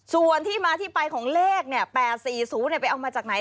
ส่วนที่มาที่ไปของเลข๘๔๐ไปเอามาจากไหน